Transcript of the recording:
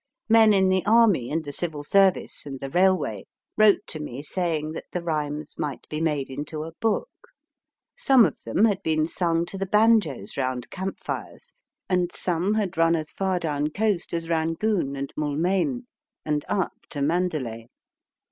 Men in the Army, and the Civil Service, and the Railway, wrote to me saying that the rhymes might be made into a book. Some of them had been sung to the banjoes round camp fires, and some had run as far down coast as Rangoon and Moulmein, and up to Mandalay.